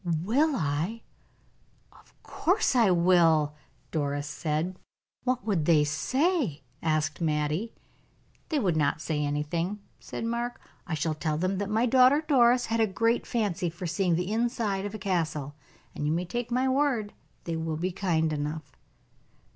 "Will I? Of course I will," Doris said. "What would they say?" asked Mattie. "They would not say anything," said Mark. "I should tell them that my daughter Doris had a great fancy for seeing the inside of a castle; and you may take my word they will be kind enough."